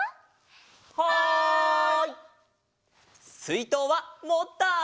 はい！